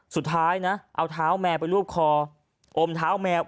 สุดท้ายนะเอาเท้าแมวไปรูปคออมเท้าแมว